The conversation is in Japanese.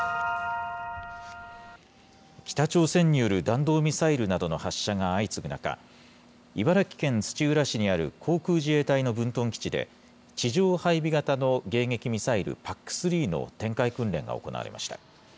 北朝鮮による弾道ミサイルなどの発射が相次ぐ中、茨城県土浦市にある航空自衛隊の分屯基地で、地上配備型の迎撃ミサイル、ＰＡＣ３の展開訓練が行われました。